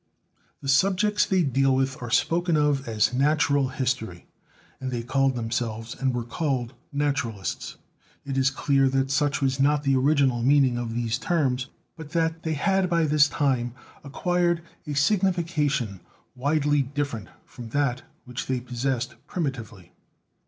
The subjects they deal 'with are spoken of as "Natural History," and they called themselves and were called "Naturalists." It is clear that such was not the original meaning of these terms; but that they had by this time, acquired a signification widely different from that which they possessed primitively.